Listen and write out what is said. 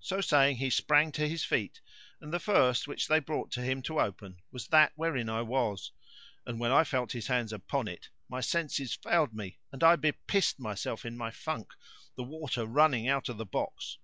So saying, he sprang to his feet, and the first which they brought to him to open was that wherein I was; and, when I felt his hands upon it, my senses failed me and I bepissed myself in my funk, the water running out of the box.